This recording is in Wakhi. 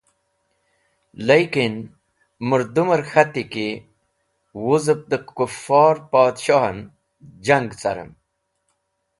Likin, mũrdũmer k̃hati ki wuzep dẽ kufor Podshoh en jang carem.